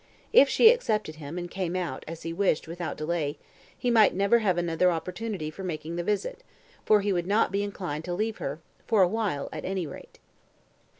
If she accepted him, and came out, as he wished, without delay, he might never have another opportunity for making the visit, for he would not be inclined to leave her, for a while at any rate.